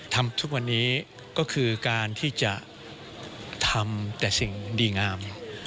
ทำทุกวันนี้ก็คือการที่จะทำแต่สิ่งดีงาม